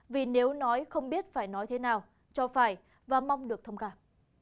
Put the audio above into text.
vì nếu nói không biết phải nói thế nào cho phải và mong được thông cảm